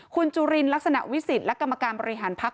คุณจุลินลักษณะวิสิทธิ์และกรรมการบริหารพักษ